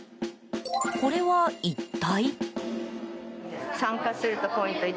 これは一体？